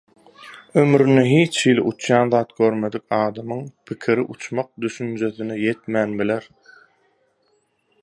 Ömründe hiçhili uçýan zat görmedik adamyň pikiri uçmak düşünjesine ýetmän biler.